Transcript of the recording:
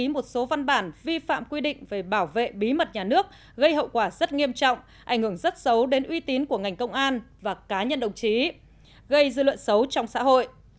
một số văn bản vi phạm quy định về bảo vệ bí mật nhà nước gây hậu quả rất nghiêm trọng ảnh hưởng rất xấu đến uy tín của ngành công an và cá nhân đồng chí gây dư luận xấu trong xã hội